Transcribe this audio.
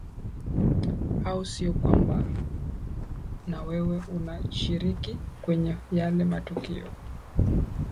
au sio kwamba na wewe unashiriki kwenye yale matukio